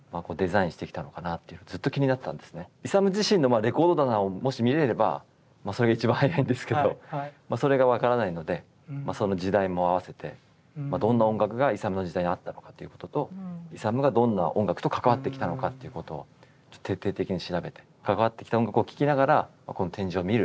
イサム自身のレコード棚をもし見れればそれが一番早いんですけどそれが分からないのでその時代も合わせてどんな音楽がイサムの時代にあったのかっていうこととイサムがどんな音楽と関わってきたのかということを徹底的に調べて関わってきた音楽を聴きながらこの展示を見る。